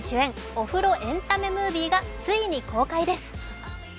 お風呂エンタメムービーがついに公開です。